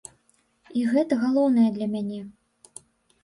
І гэта галоўнае для мяне.